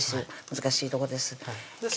難しいとこです